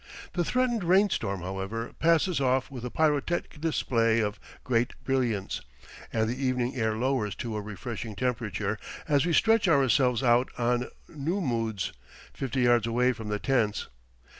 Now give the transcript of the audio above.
The threatened rain storm, however, passes off with a pyrotechnic display of great brilliancy, and the evening air lowers to a refreshing temperature as we stretch ourselves out on nummuds, fifty yards away from the tents.